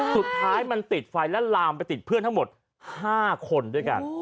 สุดท้ายมันติดไฟและลามไปติดเพื่อนทั้งหมด๕คนด้วยกัน